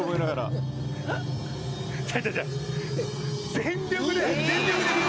全力で。